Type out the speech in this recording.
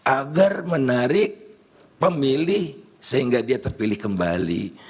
agar menarik pemilih sehingga dia terpilih kembali